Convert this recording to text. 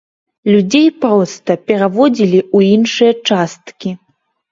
Людзей проста пераводзілі ў іншыя часткі.